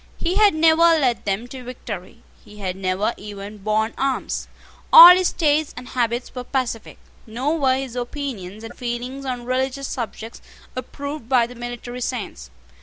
He had never led them to victory. He had never even borne arms. All his tastes and habits were pacific. Nor were his opinions and feelings on religious subjects approved by the military saints.